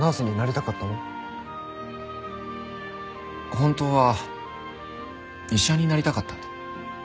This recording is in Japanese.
本当は医者になりたかったんだ。